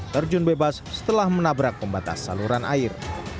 terjun bebas setelah menabrak pembatas saluran air